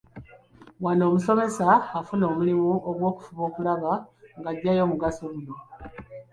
Wano omusomesa afuna omulimu gw’okufuba okulaba ng’aggyayo omugaso guno.